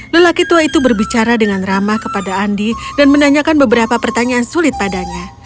lelaki tua itu berbicara dengan ramah kepada andi dan menanyakan beberapa pertanyaan sulit padanya